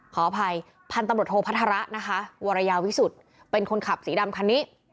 ขออภัยพันธุ์ตำรวจโทพัฒระนะคะวรยาวิสุทธิ์เป็นคนขับสีดำคันนี้